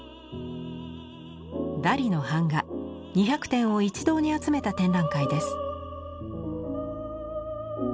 ダリの版画２００点を一堂に集めた展覧会です。